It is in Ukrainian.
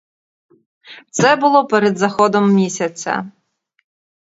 Це було перед заходом місяця.